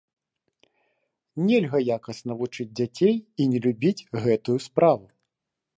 Нельга якасна вучыць дзяцей і не любіць гэтую справу.